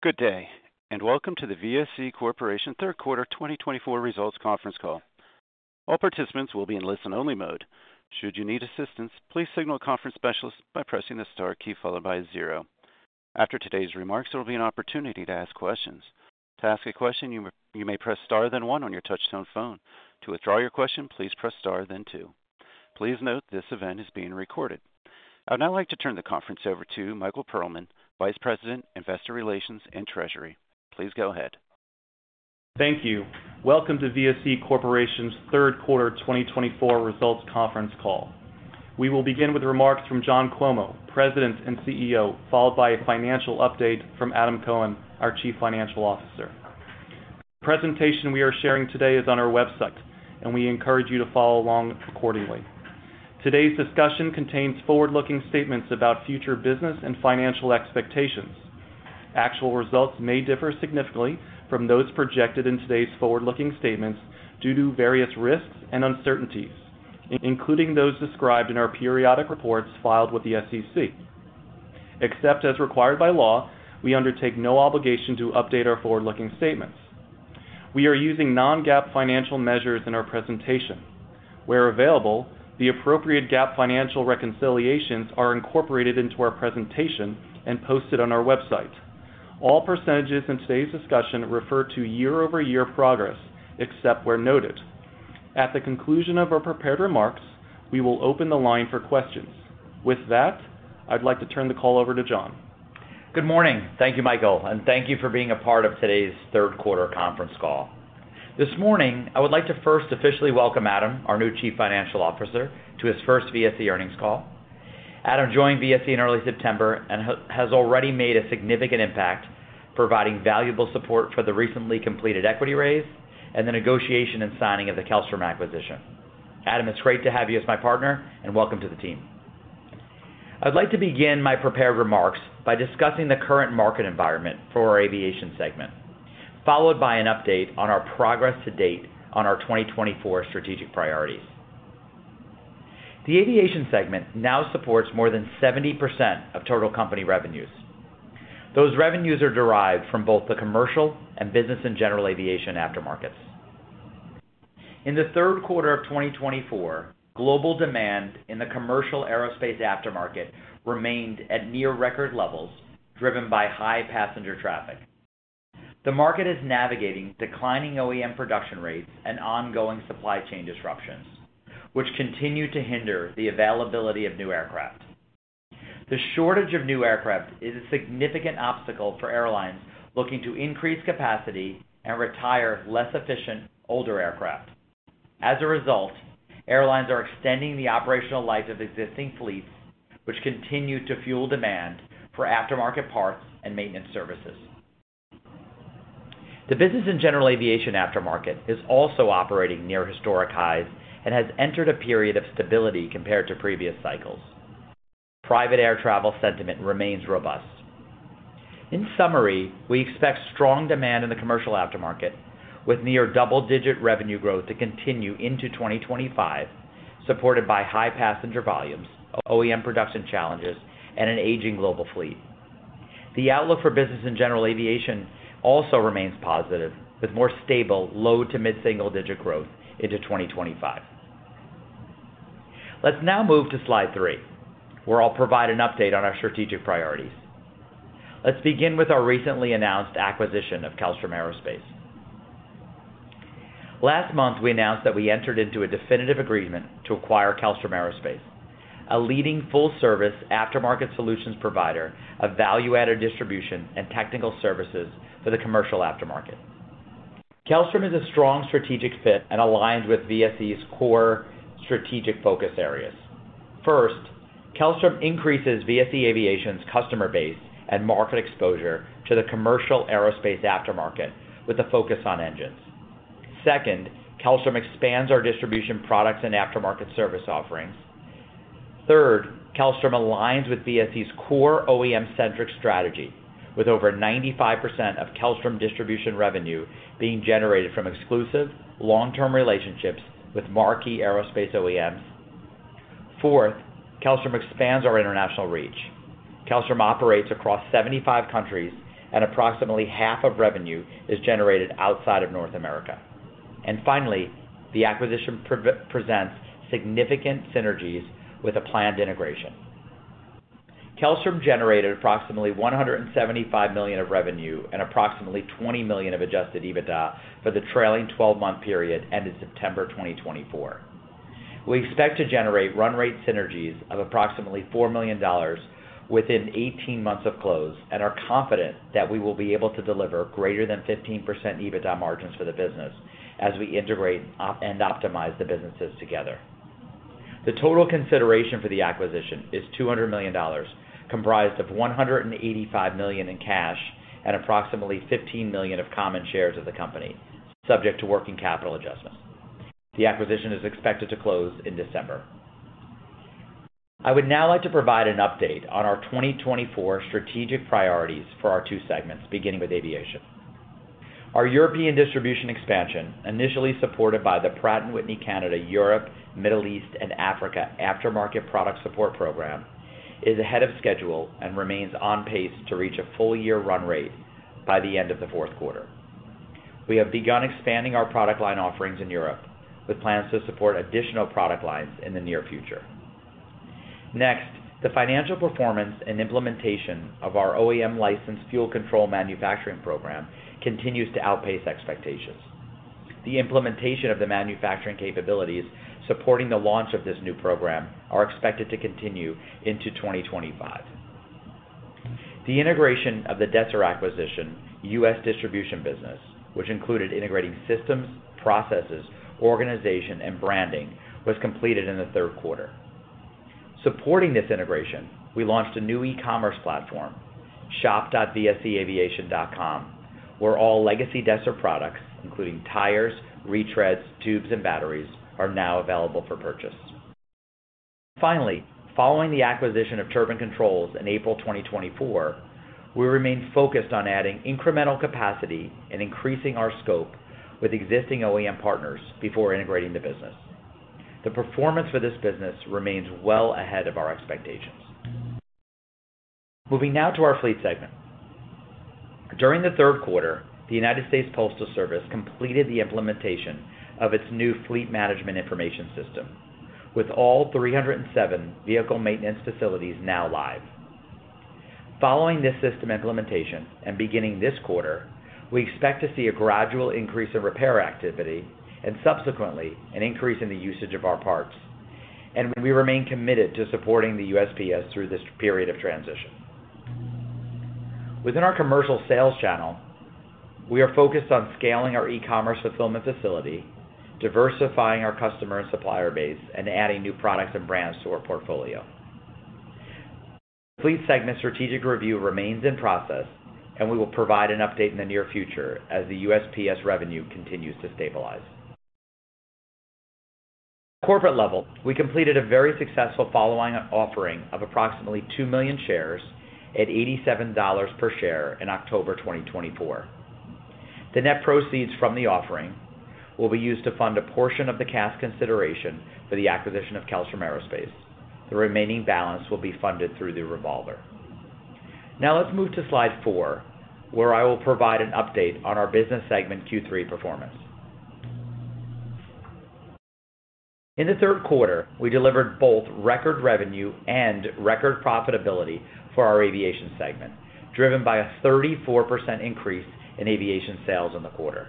Good day, and welcome to the VSE Corporation Third Quarter 2024 Results Conference Call. All participants will be in listen-only mode. Should you need assistance, please signal a conference specialist by pressing the star key followed by zero. After today's remarks, there will be an opportunity to ask questions. To ask a question, you may press star then one on your touch-tone phone. To withdraw your question, please press star then two. Please note this event is being recorded. I'd now like to turn the conference over to Michael Perlman, Vice President, Investor Relations and Treasury. Please go ahead. Thank you. Welcome to VSE Corporation's Third Quarter 2024 Results Conference Call. We will begin with remarks from John Cuomo, President and CEO, followed by a financial update from Adam Cohn, our Chief Financial Officer. The presentation we are sharing today is on our website, and we encourage you to follow along accordingly. Today's discussion contains forward-looking statements about future business and financial expectations. Actual results may differ significantly from those projected in today's forward-looking statements due to various risks and uncertainties, including those described in our periodic reports filed with the SEC. Except as required by law, we undertake no obligation to update our forward-looking statements. We are using non-GAAP financial measures in our presentation. Where available, the appropriate GAAP financial reconciliations are incorporated into our presentation and posted on our website. All percentages in today's discussion refer to year-over-year progress except where noted. At the conclusion of our prepared remarks, we will open the line for questions. With that, I'd like to turn the call over to John. Good morning. Thank you, Michael, and thank you for being a part of today's third quarter conference call. This morning, I would like to first officially welcome Adam, our new Chief Financial Officer, to his first VSE earnings call. Adam joined VSE in early September and has already made a significant impact, providing valuable support for the recently completed equity raise and the negotiation and signing of the Kellstrom acquisition. Adam, it's great to have you as my partner, and welcome to the team. I'd like to begin my prepared remarks by discussing the current market environment for our aviation segment, followed by an update on our progress to date on our 2024 strategic priorities. The aviation segment now supports more than 70% of total company revenues. Those revenues are derived from both the commercial and business in general aviation aftermarkets. In the third quarter of 2024, global demand in the commercial aerospace aftermarket remained at near-record levels, driven by high passenger traffic. The market is navigating declining OEM production rates and ongoing supply chain disruptions, which continue to hinder the availability of new aircraft. The shortage of new aircraft is a significant obstacle for airlines looking to increase capacity and retire less efficient older aircraft. As a result, airlines are extending the operational life of existing fleets, which continue to fuel demand for aftermarket parts and maintenance services. The business in general aviation aftermarket is also operating near historic highs and has entered a period of stability compared to previous cycles. Private air travel sentiment remains robust. In summary, we expect strong demand in the commercial aftermarket, with near double-digit revenue growth to continue into 2025, supported by high passenger volumes, OEM production challenges, and an aging global fleet. The outlook for business in general aviation also remains positive, with more stable low to mid-single-digit growth into 2025. Let's now move to slide three, where I'll provide an update on our strategic priorities. Let's begin with our recently announced acquisition of Kellstrom Aerospace. Last month, we announced that we entered into a definitive agreement to acquire Kellstrom Aerospace, a leading full-service aftermarket solutions provider of value-added distribution and technical services for the commercial aftermarket. Kellstrom is a strong strategic fit and aligns with VSE's core strategic focus areas. First, Kellstrom increases VSE Aviation's customer base and market exposure to the commercial aerospace aftermarket with a focus on engines. Second, Kellstrom expands our distribution products and aftermarket service offerings. Third, Kellstrom aligns with VSE's core OEM-centric strategy, with over 95% of Kellstrom distribution revenue being generated from exclusive, long-term relationships with marquee aerospace OEMs. Fourth, Kellstrom expands our international reach. Kellstrom operates across 75 countries, and approximately half of revenue is generated outside of North America. Finally, the acquisition presents significant synergies with a planned integration. Kellstrom generated approximately $175 million of revenue and approximately $20 million of adjusted EBITDA for the trailing 12-month period ended September 2024. We expect to generate run-rate synergies of approximately $4 million within 18 months of close and are confident that we will be able to deliver greater than 15% EBITDA margins for the business as we integrate and optimize the businesses together. The total consideration for the acquisition is $200 million, comprised of $185 million in cash and approximately $15 million of common shares of the company, subject to working capital adjustments. The acquisition is expected to close in December. I would now like to provide an update on our 2024 strategic priorities for our two segments, beginning with aviation. Our European distribution expansion, initially supported by the Pratt & Whitney Canada Europe, Middle East, and Africa aftermarket product support program, is ahead of schedule and remains on pace to reach a full-year run rate by the end of the fourth quarter. We have begun expanding our product line offerings in Europe, with plans to support additional product lines in the near future. Next, the financial performance and implementation of our OEM-licensed fuel control manufacturing program continues to outpace expectations. The implementation of the manufacturing capabilities supporting the launch of this new program is expected to continue into 2025. The integration of the Desser acquisition U.S. distribution business, which included integrating systems, processes, organization, and branding, was completed in the third quarter. Supporting this integration, we launched a new e-commerce platform, shop.vseaviation.com, where all legacy Desser products, including tires, retreads, tubes, and batteries, are now available for purchase. Finally, following the acquisition of Turbine Controls in April 2024, we remain focused on adding incremental capacity and increasing our scope with existing OEM partners before integrating the business. The performance for this business remains well ahead of our expectations. Moving now to our fleet segment. During the third quarter, the United States Postal Service completed the implementation of its new fleet management information system, with all 307 vehicle maintenance facilities now live. Following this system implementation and beginning this quarter, we expect to see a gradual increase in repair activity and subsequently an increase in the usage of our parts, and we remain committed to supporting the USPS through this period of transition. Within our commercial sales channel, we are focused on scaling our e-commerce fulfillment facility, diversifying our customer and supplier base, and adding new products and brands to our portfolio. The fleet segment strategic review remains in process, and we will provide an update in the near future as the USPS revenue continues to stabilize. At the corporate level, we completed a very successful follow-on offering of approximately 2 million shares at $87 per share in October 2024. The net proceeds from the offering will be used to fund a portion of the CAS consideration for the acquisition of Kellstrom Aerospace. The remaining balance will be funded through the revolver. Now let's move to slide four, where I will provide an update on our business segment Q3 performance. In the third quarter, we delivered both record revenue and record profitability for our aviation segment, driven by a 34% increase in aviation sales in the quarter.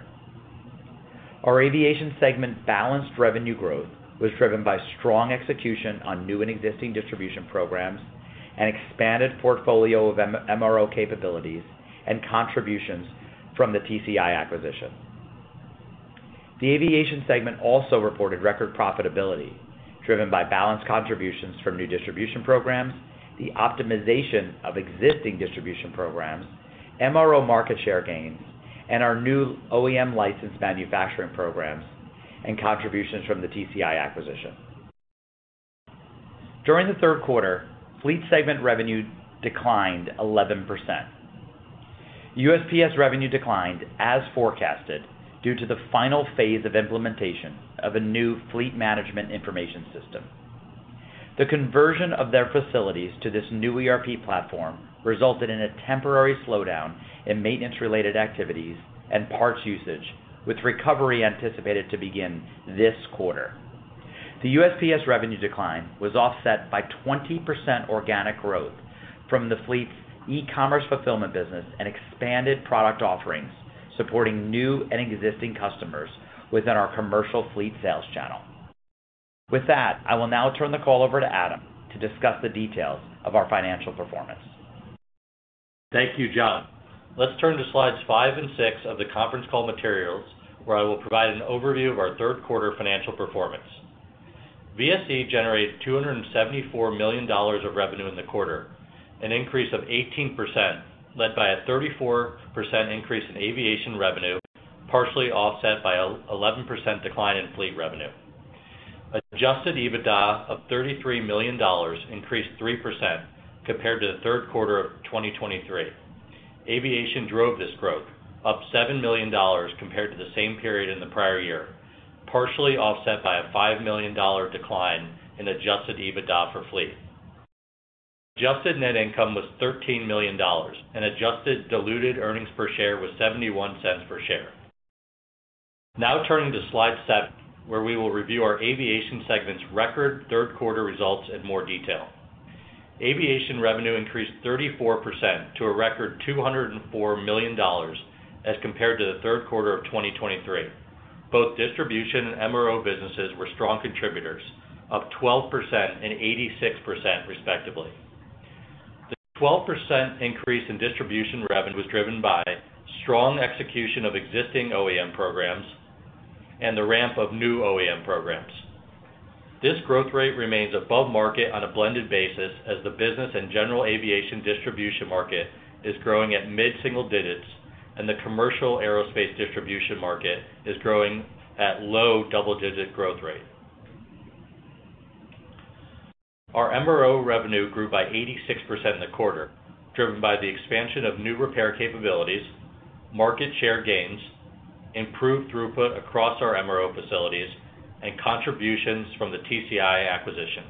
Our aviation segment balanced revenue growth was driven by strong execution on new and existing distribution programs and expanded portfolio of MRO capabilities and contributions from the TCI acquisition. The aviation segment also reported record profitability, driven by balanced contributions from new distribution programs, the optimization of existing distribution programs, MRO market share gains, and our new OEM-licensed manufacturing programs and contributions from the TCI acquisition. During the third quarter, Fleet segment revenue declined 11%. USPS revenue declined as forecasted due to the final phase of implementation of a new fleet management information system. The conversion of their facilities to this new ERP platform resulted in a temporary slowdown in maintenance-related activities and parts usage, with recovery anticipated to begin this quarter. The USPS revenue decline was offset by 20% organic growth from the fleet's e-commerce fulfillment business and expanded product offerings supporting new and existing customers within our commercial fleet sales channel. With that, I will now turn the call over to Adam to discuss the details of our financial performance. Thank you, John. Let's turn to slides five and six of the conference call materials, where I will provide an overview of our third quarter financial performance. VSE generated $274 million of revenue in the quarter, an increase of 18%, led by a 34% increase in aviation revenue, partially offset by an 11% decline in fleet revenue. Adjusted EBITDA of $33 million increased 3% compared to the third quarter of 2023. Aviation drove this growth, up $7 million compared to the same period in the prior year, partially offset by a $5 million decline in adjusted EBITDA for fleet. Adjusted net income was $13 million, and adjusted diluted earnings per share was $0.71 per share. Now turning to slide seven, where we will review our aviation segment's record third quarter results in more detail. Aviation revenue increased 34% to a record $204 million as compared to the third quarter of 2023. Both distribution and MRO businesses were strong contributors, up 12% and 86%, respectively. The 12% increase in distribution revenue was driven by strong execution of existing OEM programs and the ramp of new OEM programs. This growth rate remains above market on a blended basis as the business and general aviation distribution market is growing at mid-single digits and the commercial aerospace distribution market is growing at low double-digit growth rate. Our MRO revenue grew by 86% in the quarter, driven by the expansion of new repair capabilities, market share gains, improved throughput across our MRO facilities, and contributions from the TCI acquisition.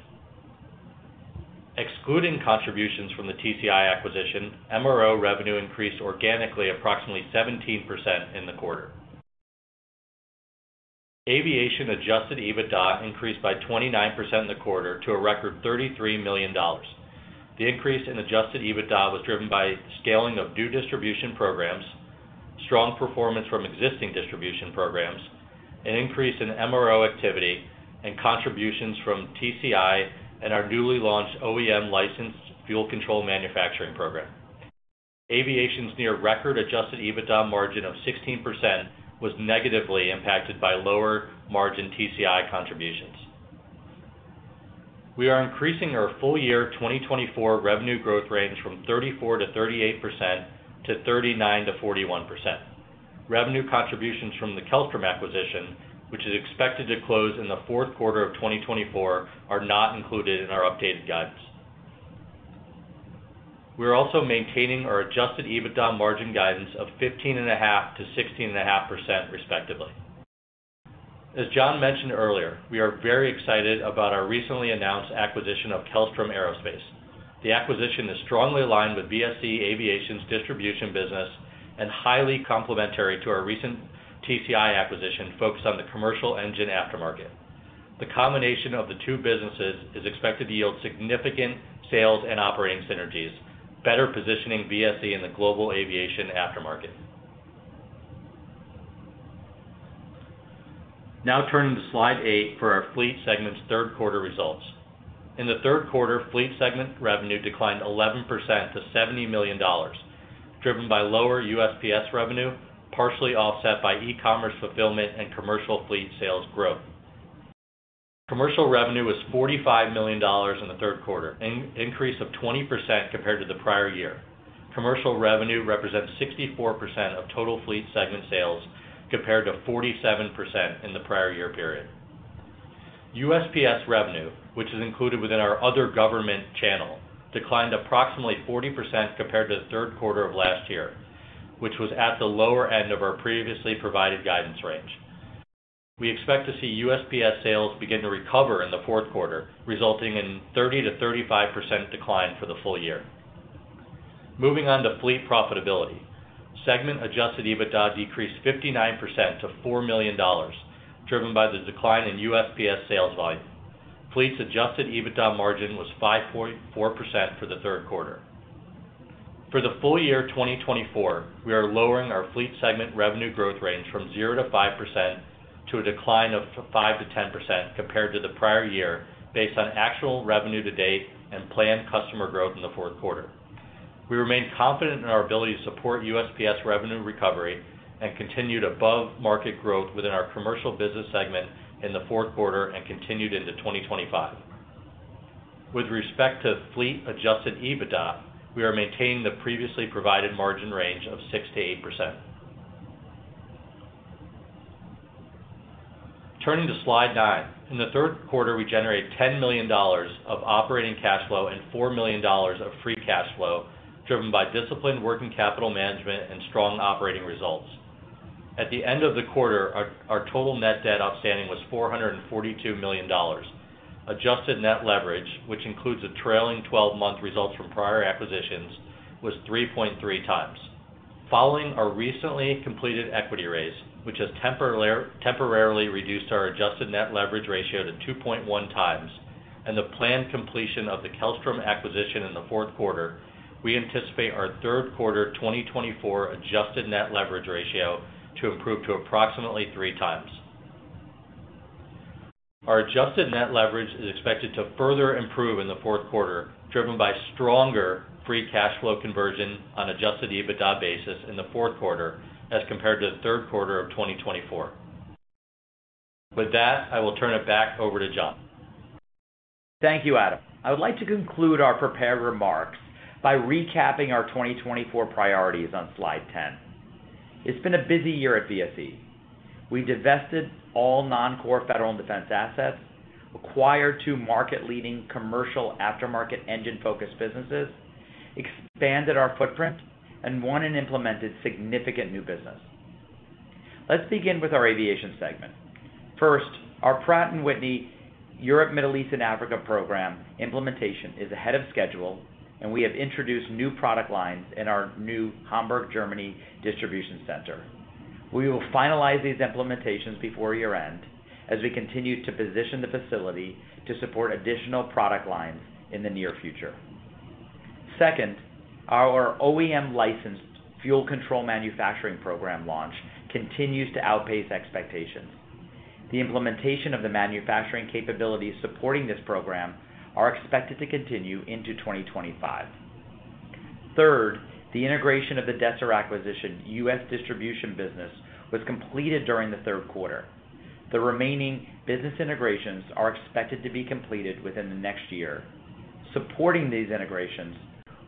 Excluding contributions from the TCI acquisition, MRO revenue increased organically approximately 17% in the quarter. Aviation adjusted EBITDA increased by 29% in the quarter to a record $33 million. The increase in adjusted EBITDA was driven by scaling of new distribution programs, strong performance from existing distribution programs, an increase in MRO activity, and contributions from TCI and our newly launched OEM-licensed fuel control manufacturing program. Aviation's near-record adjusted EBITDA margin of 16% was negatively impacted by lower margin TCI contributions. We are increasing our full-year 2024 revenue growth range from 34%-38% to 39%-41%. Revenue contributions from the Kellstrom acquisition, which is expected to close in the fourth quarter of 2024, are not included in our updated guidance. We are also maintaining our adjusted EBITDA margin guidance of 15.5%-16.5%, respectively. As John mentioned earlier, we are very excited about our recently announced acquisition of Kellstrom Aerospace. The acquisition is strongly aligned with VSE Aviation's distribution business and highly complementary to our recent TCI acquisition focused on the commercial engine aftermarket. The combination of the two businesses is expected to yield significant sales and operating synergies, better positioning VSE in the global aviation aftermarket. Now turning to slide eight for our fleet segment's third quarter results. In the third quarter, fleet segment revenue declined 11% to $70 million, driven by lower USPS revenue, partially offset by e-commerce fulfillment and commercial fleet sales growth. Commercial revenue was $45 million in the third quarter, an increase of 20% compared to the prior year. Commercial revenue represents 64% of total fleet segment sales compared to 47% in the prior year period. USPS revenue, which is included within our other government channel, declined approximately 40% compared to the third quarter of last year, which was at the lower end of our previously provided guidance range. We expect to see USPS sales begin to recover in the fourth quarter, resulting in a 30%-35% decline for the full year. Moving on to fleet profitability, segment adjusted EBITDA decreased 59% to $4 million, driven by the decline in USPS sales volume. Fleet's adjusted EBITDA margin was 5.4% for the third quarter. For the full year 2024, we are lowering our fleet segment revenue growth range from 0%-5% to a decline of 5%-10% compared to the prior year based on actual revenue to date and planned customer growth in the fourth quarter. We remain confident in our ability to support USPS revenue recovery and continue to above market growth within our commercial business segment in the fourth quarter and continue into 2025. With respect to fleet adjusted EBITDA, we are maintaining the previously provided margin range of 6%-8%. Turning to slide nine, in the third quarter, we generated $10 million of operating cash flow and $4 million of free cash flow, driven by disciplined working capital management and strong operating results. At the end of the quarter, our total net debt outstanding was $442 million. Adjusted net leverage, which includes a trailing 12-month result from prior acquisitions, was 3.3x. Following our recently completed equity raise, which has temporarily reduced our adjusted net leverage ratio to 2.1x, and the planned completion of the Kellstrom acquisition in the fourth quarter, we anticipate our third quarter 2024 adjusted net leverage ratio to improve to approximately 3x. Our adjusted net leverage is expected to further improve in the fourth quarter, driven by stronger free cash flow conversion on an adjusted EBITDA basis in the fourth quarter as compared to the third quarter of 2024. With that, I will turn it back over to John. Thank you, Adam. I would like to conclude our prepared remarks by recapping our 2024 priorities on slide 10. It's been a busy year at VSE. We divested all non-core federal and defense assets, acquired two market-leading commercial aftermarket engine-focused businesses, expanded our footprint, and went and implemented significant new business. Let's begin with our aviation segment. First, our Pratt & Whitney Europe, Middle East, and Africa program implementation is ahead of schedule, and we have introduced new product lines in our new Hamburg, Germany distribution center. We will finalize these implementations before year-end as we continue to position the facility to support additional product lines in the near future. Second, our OEM-licensed fuel control manufacturing program launch continues to outpace expectations. The implementation of the manufacturing capabilities supporting this program is expected to continue into 2025. Third, the integration of the Desser acquisition U.S. distribution business was completed during the third quarter. The remaining business integrations are expected to be completed within the next year. Supporting these integrations,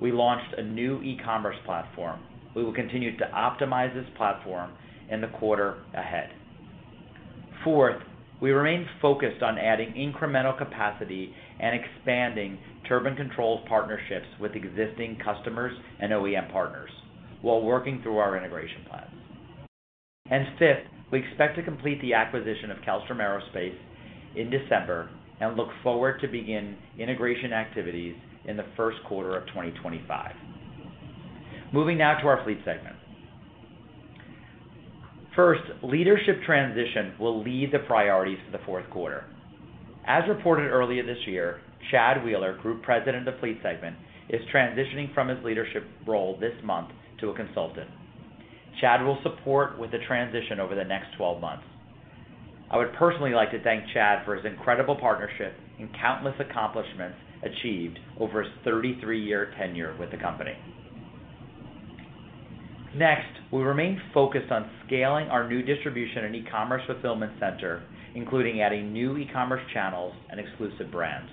we launched a new e-commerce platform. We will continue to optimize this platform in the quarter ahead. Fourth, we remain focused on adding incremental capacity and expanding turbine control partnerships with existing customers and OEM partners while working through our integration plans. And fifth, we expect to complete the acquisition of Kellstrom Aerospace in December and look forward to beginning integration activities in the first quarter of 2025. Moving now to our fleet segment. First, leadership transition will lead the priorities for the fourth quarter. As reported earlier this year, Chad Wheeler, Group President of Fleet Segment, is transitioning from his leadership role this month to a consultant. Chad will support with the transition over the next 12 months. I would personally like to thank Chad for his incredible partnership and countless accomplishments achieved over his 33-year tenure with the company. Next, we remain focused on scaling our new distribution and e-commerce fulfillment center, including adding new e-commerce channels and exclusive brands.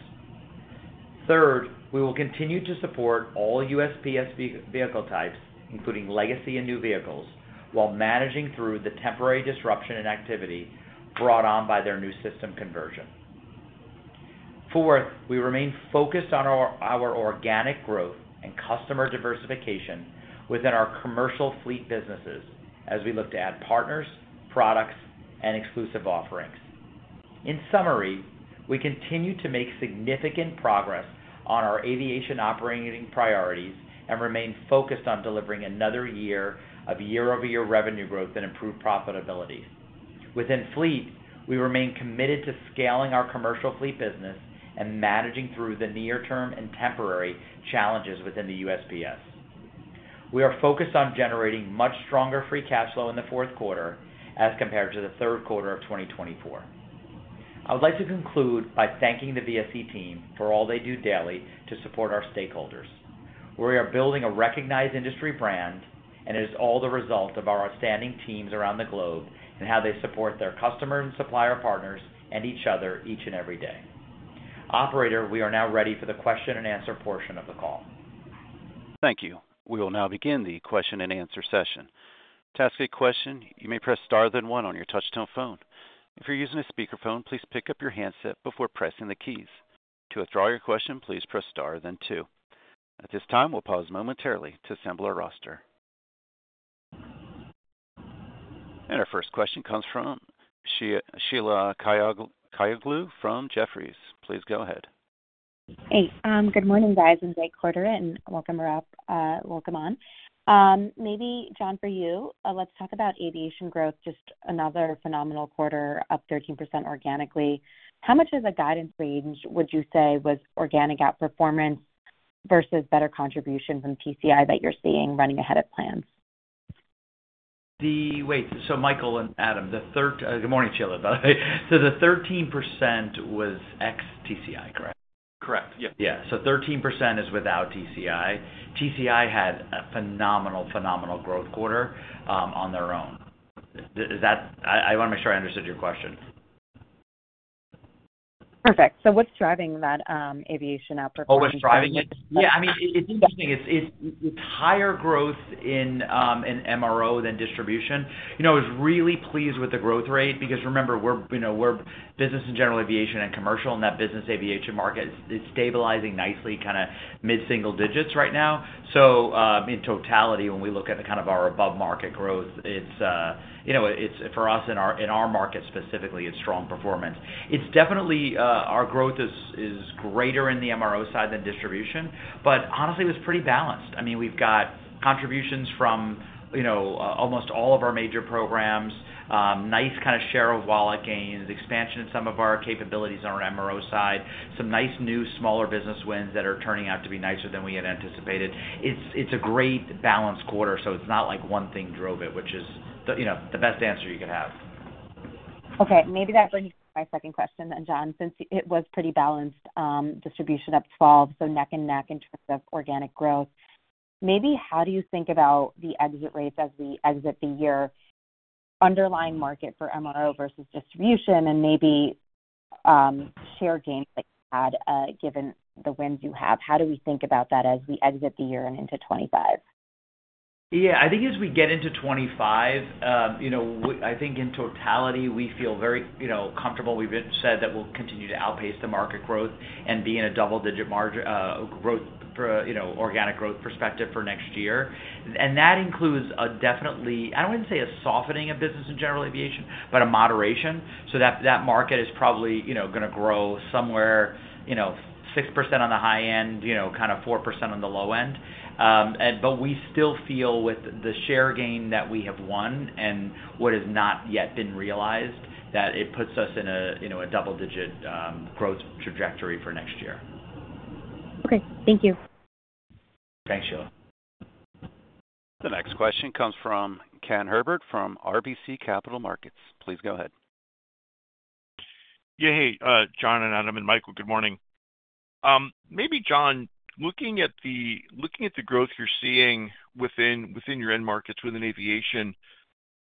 Third, we will continue to support all USPS vehicle types, including legacy and new vehicles, while managing through the temporary disruption in activity brought on by their new system conversion. Fourth, we remain focused on our organic growth and customer diversification within our commercial fleet businesses as we look to add partners, products, and exclusive offerings. In summary, we continue to make significant progress on our aviation operating priorities and remain focused on delivering another year of year-over-year revenue growth and improved profitability. Within fleet, we remain committed to scaling our commercial fleet business and managing through the near-term and temporary challenges within the USPS. We are focused on generating much stronger free cash flow in the fourth quarter as compared to the third quarter of 2024. I would like to conclude by thanking the VSE team for all they do daily to support our stakeholders. We are building a recognized industry brand, and it is all the result of our outstanding teams around the globe and how they support their customers and supplier partners and each other each and every day. Operator, we are now ready for the question and answer portion of the call. Thank you. We will now begin the question and answer session. To ask a question, you may press star then one on your touch-tone phone. If you're using a speakerphone, please pick up your handset before pressing the keys. To withdraw your question, please press star then two. At this time, we'll pause momentarily to assemble our roster. And our first question comes from Sheila Kahyaoglu from Jefferies. Please go ahead. Hey. Good morning, guys, and great quarter, and welcome on. Maybe, John, for you, let's talk about aviation growth, just another phenomenal quarter, up 13% organically. How much of the guidance range would you say was organic outperformance versus better contribution from TCI that you're seeing running ahead of plans? Wait. So, Michael and Adam, good morning, Sheila, by the way. So the 13% was ex-TCI, correct? Correct. Yeah. So 13% is without TCI. TCI had a phenomenal, phenomenal growth quarter on their own. I want to make sure I understood your question. Perfect. So what's driving that aviation outperformance? Oh, what's driving it? Yeah. I mean, it's interesting. It's higher growth in MRO than distribution. I was really pleased with the growth rate because, remember, we're business and general aviation and commercial, and that business aviation market is stabilizing nicely, kind of mid-single digits right now. So in totality, when we look at kind of our above-market growth, for us in our market specifically, it's strong performance. Our growth is greater in the MRO side than distribution, but honestly, it was pretty balanced. I mean, we've got contributions from almost all of our major programs, nice kind of share of wallet gains, expansion in some of our capabilities on our MRO side, some nice new smaller business wins that are turning out to be nicer than we had anticipated. It's a great balanced quarter, so it's not like one thing drove it, which is the best answer you could have. Okay. Maybe that brings me to my second question then, John, since it was pretty balanced distribution up 12, so neck and neck in terms of organic growth. Maybe how do you think about the exit rates as we exit the year? Underlying market for MRO versus distribution and maybe share gains that you had given the wins you have. How do we think about that as we exit the year and into 2025? Yeah. I think as we get into 2025, I think in totality, we feel very comfortable. We've said that we'll continue to outpace the market growth and be in a double-digit organic growth perspective for next year. And that includes a definitely, I wouldn't say a softening of business and general aviation, but a moderation. So that market is probably going to grow somewhere 6% on the high end, kind of 4% on the low end. But we still feel with the share gain that we have won and what has not yet been realized that it puts us in a double-digit growth trajectory for next year. Okay. Thank you. Thanks, Sheila. The next question comes from Ken Herbert from RBC Capital Markets. Please go ahead. Yeah. Hey, John and Adam and Michael, good morning. Maybe, John, looking at the growth you're seeing within your end markets within aviation,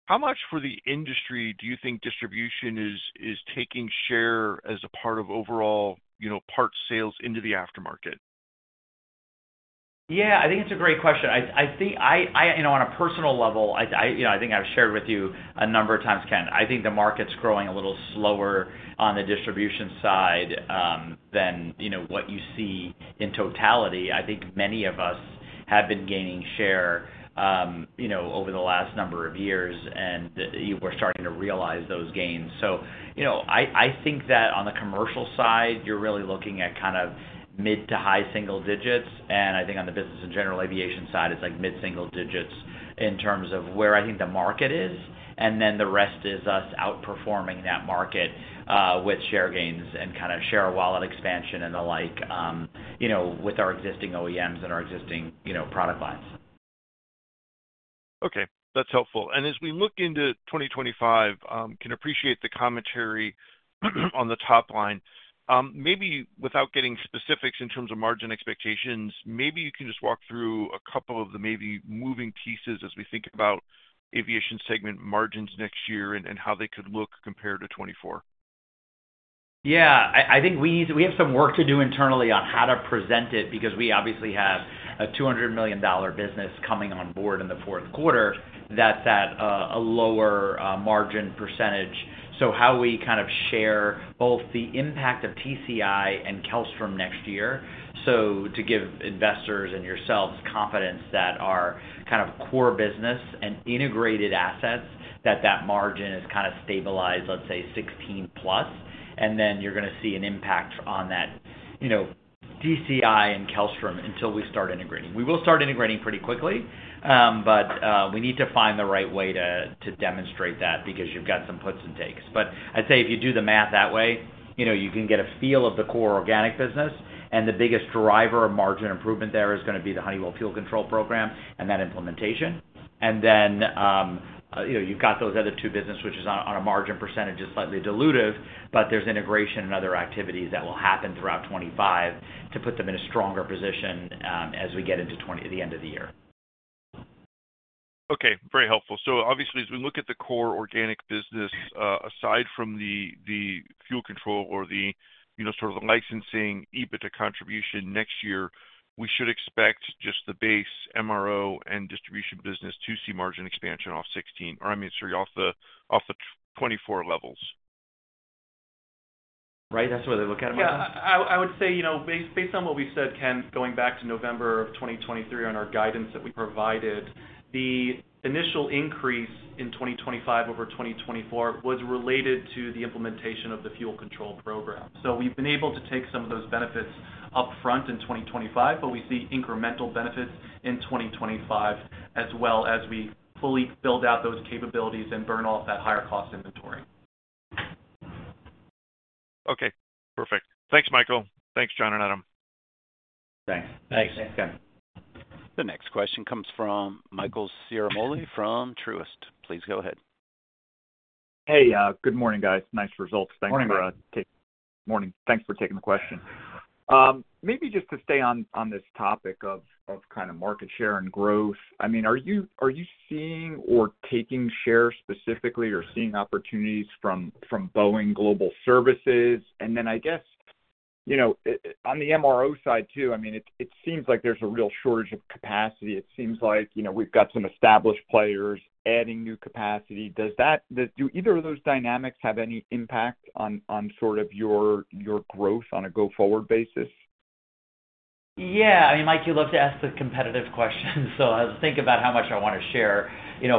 how much for the industry do you think distribution is taking share as a part of overall part sales into the aftermarket? Yeah. I think it's a great question. On a personal level, I think I've shared with you a number of times, Ken. I think the market's growing a little slower on the distribution side than what you see in totality. I think many of us have been gaining share over the last number of years, and we're starting to realize those gains. So I think that on the commercial side, you're really looking at kind of mid- to high-single digits. And I think on the business and general aviation side, it's like mid-single digits in terms of where I think the market is. And then the rest is us outperforming that market with share gains and kind of share wallet expansion and the like with our existing OEMs and our existing product lines. Okay. That's helpful. And as we look into 2025, I can appreciate the commentary on the top line. Maybe without getting specifics in terms of margin expectations, maybe you can just walk through a couple of the maybe moving pieces as we think about aviation segment margins next year and how they could look compared to 2024. Yeah. I think we have some work to do internally on how to present it because we obviously have a $200 million business coming on board in the fourth quarter that's at a lower margin percentage. So how we kind of share both the impact of TCI and Kellstrom next year to give investors and yourselves confidence that our kind of core business and integrated assets, that that margin is kind of stabilized, let's say, 16-plus. And then you're going to see an impact on that TCI and Kellstrom until we start integrating. We will start integrating pretty quickly, but we need to find the right way to demonstrate that because you've got some puts and takes. But I'd say if you do the math that way, you can get a feel of the core organic business. And the biggest driver of margin improvement there is going to be the Honeywell fuel control program and that implementation. And then you've got those other two businesses, which on a margin percentage is slightly dilutive, but there's integration and other activities that will happen throughout 2025 to put them in a stronger position as we get into the end of the year. Okay. Very helpful. So obviously, as we look at the core organic business, aside from the fuel control or the sort of licensing EBITDA contribution next year, we should expect just the base MRO and distribution business to see margin expansion off 2016, or I mean, sorry, off the 2024 levels. Right? That's the way they look at it, Michael? Yeah. I would say based on what we said, Ken, going back to November of 2023 on our guidance that we provided, the initial increase in 2025 over 2024 was related to the implementation of the fuel control program. So we've been able to take some of those benefits upfront in 2025, but we see incremental benefits in 2025 as well as we fully build out those capabilities and burn off that higher-cost inventory. Okay. Perfect. Thanks, Michael. Thanks, John and Adam. Thanks. Thanks, Ken. The next question comes from Michael Ciarmoli from Truist. Please go ahead. Hey. Good morning, guys. Nice results. Thanks for taking the question. Maybe just to stay on this topic of kind of market share and growth, I mean, are you seeing or taking share specifically or seeing opportunities from Boeing Global Services? And then I guess on the MRO side too, I mean, it seems like there's a real shortage of capacity. It seems like we've got some established players adding new capacity. Do either of those dynamics have any impact on sort of your growth on a go-forward basis? Yeah. I mean, Mike, you love to ask the competitive questions, so I'll think about how much I want to share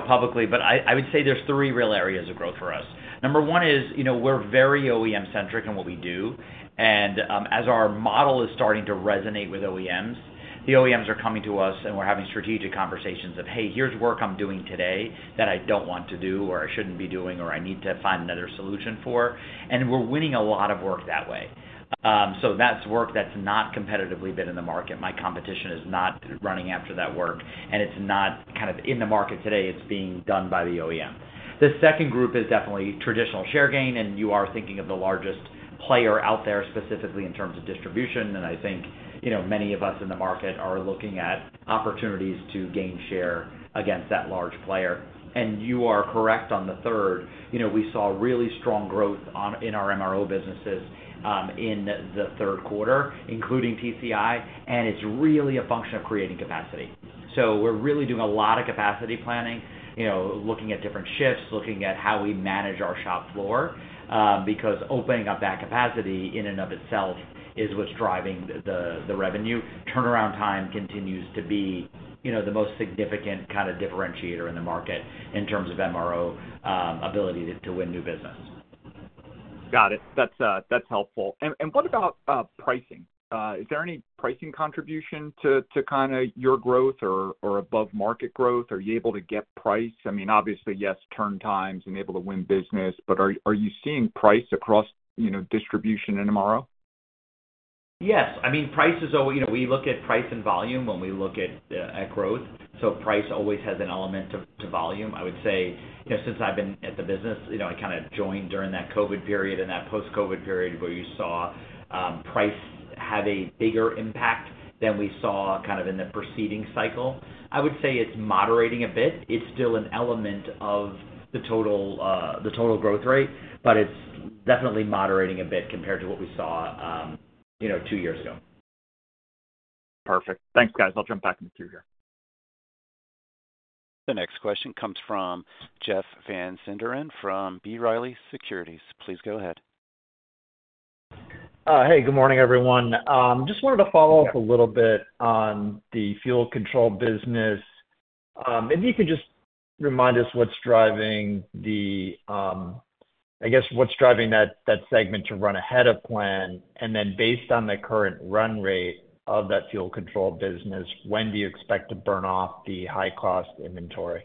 publicly. But I would say there's three real areas of growth for us. Number one is we're very OEM-centric in what we do, and as our model is starting to resonate with OEMs, the OEMs are coming to us, and we're having strategic conversations of, "Hey, here's work I'm doing today that I don't want to do or I shouldn't be doing or I need to find another solution for," and we're winning a lot of work that way, so that's work that's not competitively been in the market. My competition is not running after that work, and it's not kind of in the market today. It's being done by the OEM. The second group is definitely traditional share gain, and you are thinking of the largest player out there specifically in terms of distribution. And I think many of us in the market are looking at opportunities to gain share against that large player. And you are correct on the third. We saw really strong growth in our MRO businesses in the third quarter, including TCI, and it's really a function of creating capacity. So we're really doing a lot of capacity planning, looking at different shifts, looking at how we manage our shop floor because opening up that capacity in and of itself is what's driving the revenue. Turnaround time continues to be the most significant kind of differentiator in the market in terms of MRO ability to win new business. Got it. That's helpful. And what about pricing? Is there any pricing contribution to kind of your growth or above-market growth? Are you able to get price? I mean, obviously, yes, turn times and able to win business, but are you seeing price across distribution and MRO? Yes. I mean, price is always, we look at price and volume when we look at growth. So price always has an element to volume. I would say since I've been at the business, I kind of joined during that COVID period and that post-COVID period where you saw price have a bigger impact than we saw kind of in the preceding cycle. I would say it's moderating a bit. It's still an element of the total growth rate, but it's definitely moderating a bit compared to what we saw two years ago. Perfect. Thanks, guys. I'll jump back into it here. The next question comes from Jeff Van Sinderen from B. Riley Securities. Please go ahead. Hey. Good morning, everyone. Just wanted to follow up a little bit on the fuel control business. If you could just remind us what's driving the, I guess what's driving that segment to run ahead of plan? And then based on the current run rate of that fuel control business, when do you expect to burn off the high-cost inventory?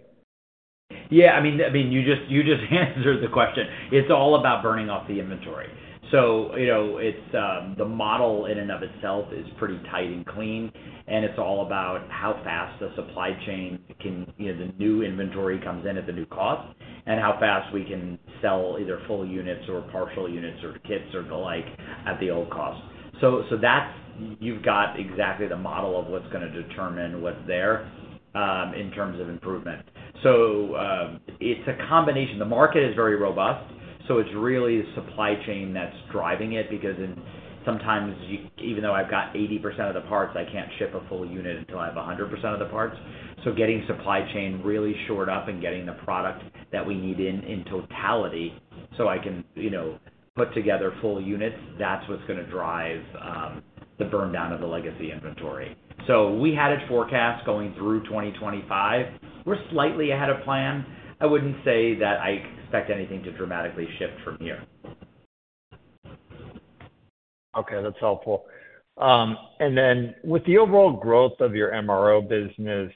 Yeah. I mean, you just answered the question. It's all about burning off the inventory. So the model in and of itself is pretty tight and clean, and it's all about how fast the supply chain can, the new inventory comes in at the new cost and how fast we can sell either full units or partial units or kits or the like at the old cost. So you've got exactly the model of what's going to determine what's there in terms of improvement. So it's a combination. The market is very robust, so it's really the supply chain that's driving it because sometimes, even though I've got 80% of the parts, I can't ship a full unit until I have 100% of the parts. Getting supply chain really shored up and getting the product that we need in totality so I can put together full units, that's what's going to drive the burn down of the legacy inventory. We had a forecast going through 2025. We're slightly ahead of plan. I wouldn't say that I expect anything to dramatically shift from here. Okay. That's helpful, and then with the overall growth of your MRO business,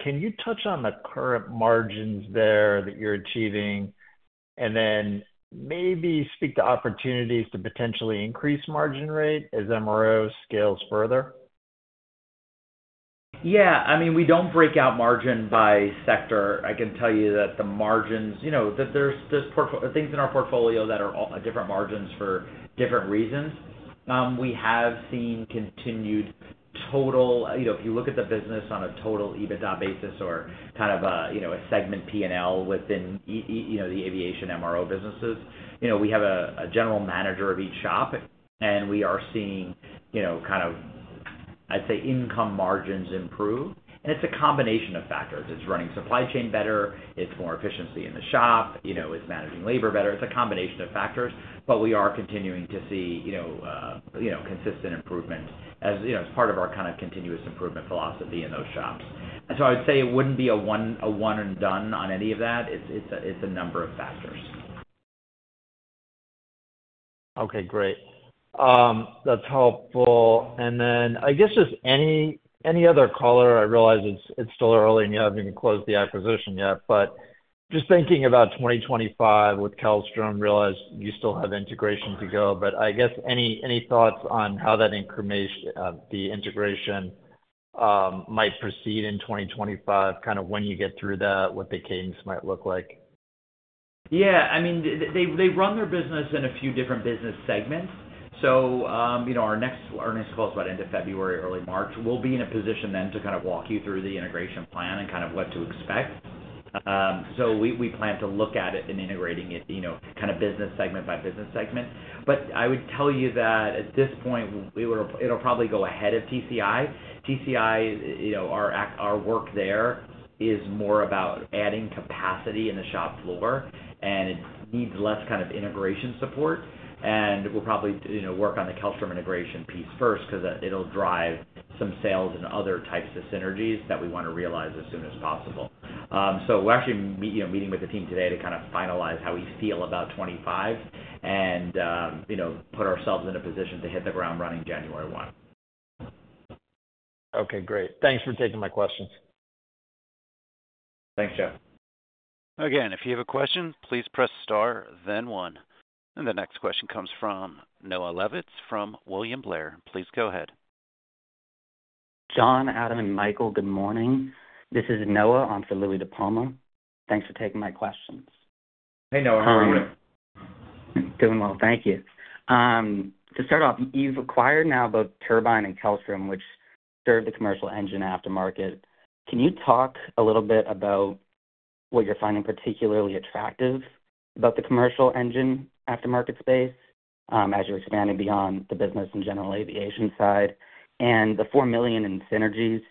can you touch on the current margins there that you're achieving and then maybe speak to opportunities to potentially increase margin rate as MRO scales further? Yeah. I mean, we don't break out margin by sector. I can tell you that the margins, there's things in our portfolio that are different margins for different reasons. We have seen continued total. If you look at the business on a total EBITDA basis or kind of a segment P&L within the aviation MRO businesses, we have a general manager of each shop, and we are seeing kind of, I'd say, income margins improve. And it's a combination of factors. It's running supply chain better. It's more efficiency in the shop. It's managing labor better. It's a combination of factors, but we are continuing to see consistent improvement as part of our kind of continuous improvement philosophy in those shops. And so I would say it wouldn't be a one-and-done on any of that. It's a number of factors. Okay. Great. That's helpful. And then I guess just any other color, I realize it's still early and you haven't even closed the acquisition yet, but just thinking about 2025 with Kellstrom, realize you still have integration to go. But I guess any thoughts on how the integration might proceed in 2025, kind of when you get through that, what the cadence might look like? Yeah. I mean, they run their business in a few different business segments, so our next call is about end of February, early March. We'll be in a position then to kind of walk you through the integration plan and kind of what to expect, so we plan to look at it and integrating it kind of business segment by business segment, but I would tell you that at this point, it'll probably go ahead of TCI. TCI, our work there is more about adding capacity in the shop floor, and it needs less kind of integration support, and we'll probably work on the Kellstrom integration piece first because it'll drive some sales and other types of synergies that we want to realize as soon as possible. So we're actually meeting with the team today to kind of finalize how we feel about 2025 and put ourselves in a position to hit the ground running January 1. Okay. Great. Thanks for taking my questions. Thanks, Jeff. Again, if you have a question, please press star, then one. And the next question comes from Noah Levitz from William Blair. Please go ahead. John, Adam, and Michael, good morning. This is Noah on for Louie DiPalma. Thanks for taking my questions. Hey, Noel. How are you? Doing well. Thank you. To start off, you've acquired now both Turbine and Kellstrom, which serve the commercial engine aftermarket. Can you talk a little bit about what you're finding particularly attractive about the commercial engine aftermarket space as you're expanding beyond the business and general aviation side? And the $4 million in synergies,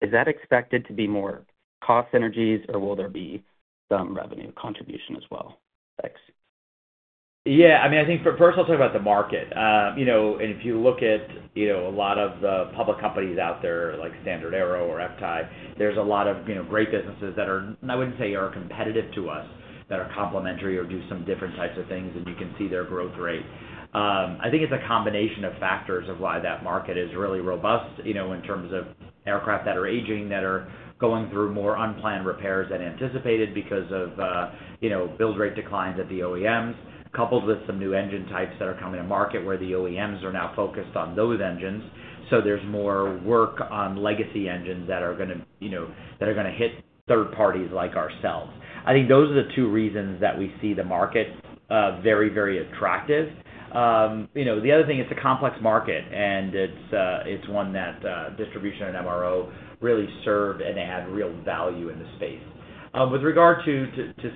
is that expected to be more cost synergies, or will there be some revenue contribution as well? Thanks. Yeah. I mean, I think first I'll talk about the market, and if you look at a lot of the public companies out there like StandardAero or HEICO, there's a lot of great businesses that are, I wouldn't say, are competitive to us that are complementary or do some different types of things, and you can see their growth rate. I think it's a combination of factors of why that market is really robust in terms of aircraft that are aging, that are going through more unplanned repairs than anticipated because of build rate declines at the OEMs, coupled with some new engine types that are coming to market where the OEMs are now focused on those engines. So there's more work on legacy engines that are going to hit third parties like ourselves. I think those are the two reasons that we see the market very, very attractive. The other thing, it's a complex market, and it's one that distribution and MRO really serve and add real value in the space. With regard to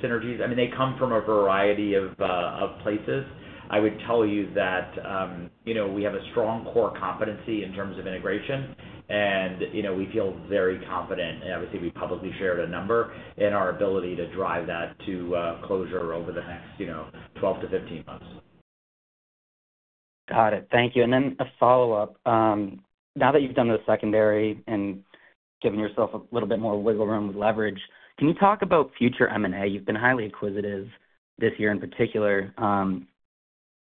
synergies, I mean, they come from a variety of places. I would tell you that we have a strong core competency in terms of integration, and we feel very confident, and obviously, we publicly shared a number in our ability to drive that to closure over the next 12 to 15 months. Got it. Thank you. And then a follow-up. Now that you've done the secondary and given yourself a little bit more wiggle room with leverage, can you talk about future M&A? You've been highly acquisitive this year in particular.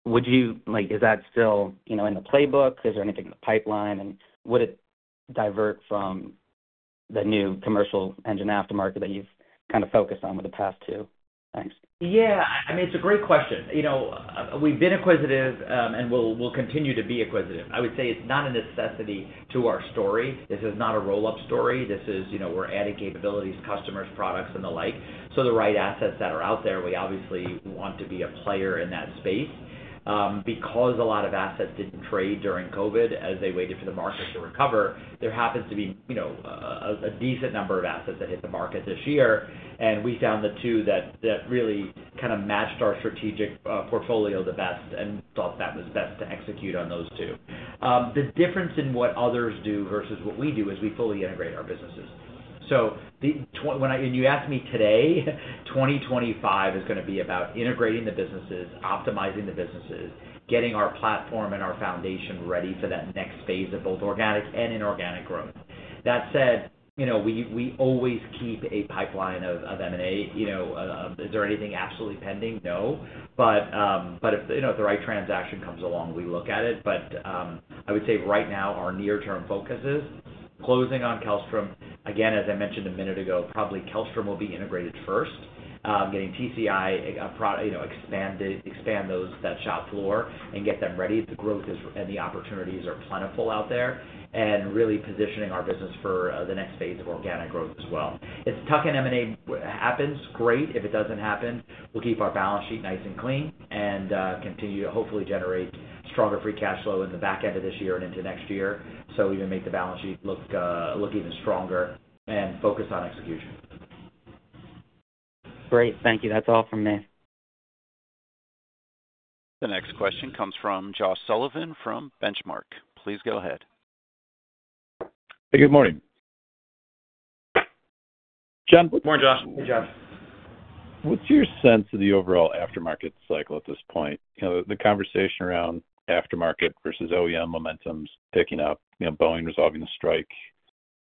Is that still in the playbook? Is there anything in the pipeline? And would it divert from the new commercial engine aftermarket that you've kind of focused on with the past two? Thanks. Yeah. I mean, it's a great question. We've been acquisitive, and we'll continue to be acquisitive. I would say it's not a necessity to our story. This is not a roll-up story. We're adding capabilities, customers, products, and the like. So the right assets that are out there, we obviously want to be a player in that space. Because a lot of assets didn't trade during COVID as they waited for the market to recover, there happens to be a decent number of assets that hit the market this year. And we found the two that really kind of matched our strategic portfolio the best and thought that was best to execute on those two. The difference in what others do versus what we do is we fully integrate our businesses. And you asked me today, 2025 is going to be about integrating the businesses, optimizing the businesses, getting our platform and our foundation ready for that next phase of both organic and inorganic growth. That said, we always keep a pipeline of M&A. Is there anything absolutely pending? No. But if the right transaction comes along, we look at it. But I would say right now, our near-term focus is closing on Kellstrom. Again, as I mentioned a minute ago, probably Kellstrom will be integrated first, getting TCI to expand that shop floor and get them ready. The growth and the opportunities are plentiful out there and really positioning our business for the next phase of organic growth as well. If tuck-ins and M&A happens, great. If it doesn't happen, we'll keep our balance sheet nice and clean and continue to hopefully generate stronger free cash flow in the back end of this year and into next year so we can make the balance sheet look even stronger and focus on execution. Great. Thank you. That's all from me. The next question comes from Josh Sullivan from Benchmark. Please go ahead. Hey. Good morning. John. Good morning, Josh. Hey, Josh. What's your sense of the overall aftermarket cycle at this point? The conversation around aftermarket versus OEM momentum's picking up, Boeing resolving the strike,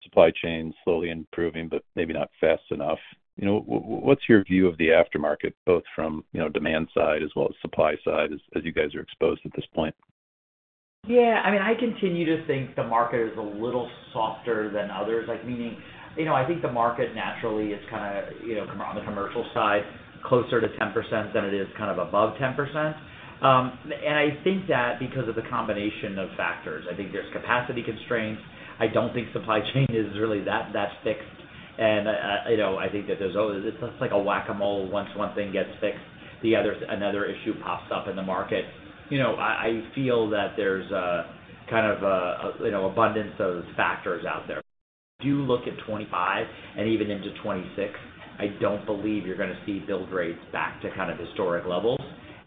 supply chain slowly improving, but maybe not fast enough. What's your view of the aftermarket, both from demand side as well as supply side as you guys are exposed at this point? Yeah. I mean, I continue to think the market is a little softer than others. Meaning, I think the market naturally is kind of on the commercial side closer to 10% than it is kind of above 10%. And I think that because of the combination of factors, I think there's capacity constraints. I don't think supply chain is really that fixed. And I think that there's always, it's like a whack-a-mole. Once one thing gets fixed, another issue pops up in the market. I feel that there's kind of an abundance of factors out there. Do look at 2025 and even into 2026, I don't believe you're going to see build rates back to kind of historic levels,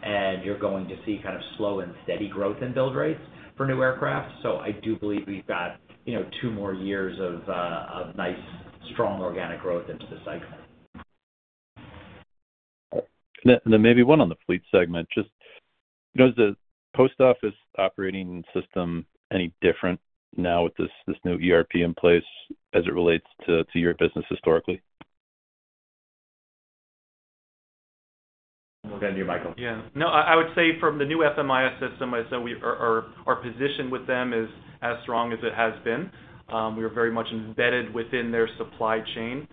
and you're going to see kind of slow and steady growth in build rates for new aircraft. So I do believe we've got two more years of nice, strong organic growth into the cycle. And then, maybe one on the fleet segment. Just, is the post office operating system any different now with this new ERP in place as it relates to your business historically? Go ahead, Michael. Yeah. No, I would say from the new FMIS system, I'd say our position with them is as strong as it has been. We are very much embedded within their supply chain.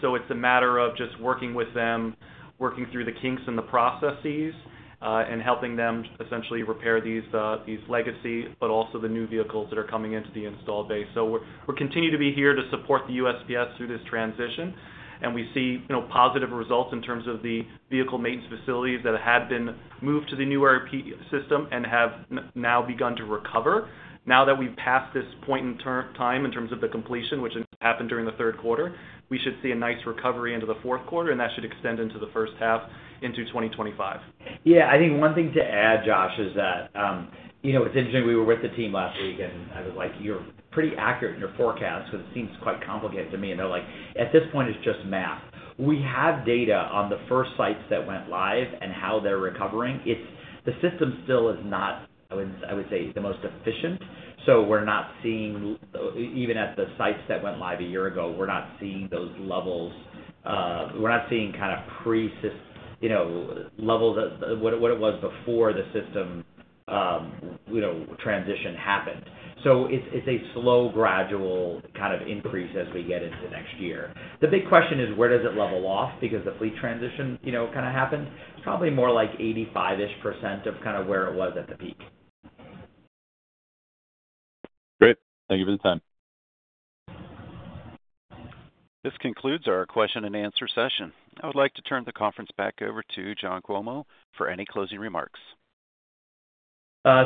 So it's a matter of just working with them, working through the kinks and the processes, and helping them essentially repair these legacy, but also the new vehicles that are coming into the installed base. So we'll continue to be here to support the USPS through this transition. And we see positive results in terms of the vehicle maintenance facilities that had been moved to the new ERP system and have now begun to recover. Now that we've passed this point in time in terms of the completion, which happened during the third quarter, we should see a nice recovery into the fourth quarter, and that should extend into the first half into 2025. Yeah. I think one thing to add, Josh, is that it's interesting, we were with the team last week, and I was like, "You're pretty accurate in your forecast," because it seems quite complicated to me, and they're like, "At this point, it's just math." We have data on the first sites that went live and how they're recovering. The system still is not, I would say, the most efficient. So we're not seeing, even at the sites that went live a year ago, we're not seeing those levels. We're not seeing kind of pre-level what it was before the system transition happened. So it's a slow, gradual kind of increase as we get into next year. The big question is, where does it level off because the fleet transition kind of happened? It's probably more like 85-ish% of kind of where it was at the peak. Great. Thank you for the time. This concludes our question-and-answer session. I would like to turn the conference back over to John Cuomo for any closing remarks.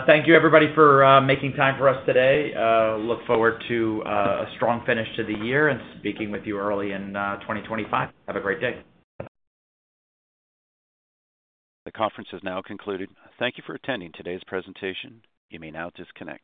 Thank you, everybody, for making time for us today. Look forward to a strong finish to the year and speaking with you early in 2025. Have a great day. The conference has now concluded. Thank you for attending today's presentation. You may now disconnect.